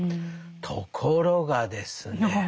ところがですね